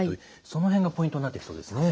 その辺がポイントになってきそうですね。